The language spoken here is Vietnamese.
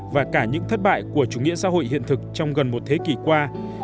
và cả những thất bại của chủ nghĩa xã hội hiện thực trong gần một thế kỷ qua